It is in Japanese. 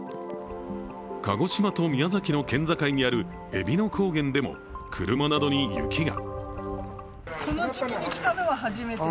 鹿児島と宮崎の県境にあるえびの高原でも車などに雪が。